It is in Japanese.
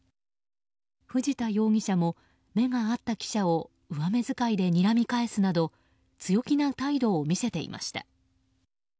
藤田容疑者も目が合った記者を上目づかいで、にらみ返すなど強気な態度を見せていました。